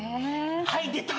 はい出た！